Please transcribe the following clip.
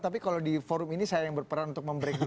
tapi kalau di forum ini saya yang berperan untuk membreak dulu